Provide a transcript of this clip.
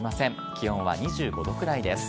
気温は２５度くらいです。